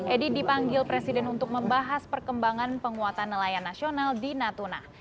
edi dipanggil presiden untuk membahas perkembangan penguatan nelayan nasional di natuna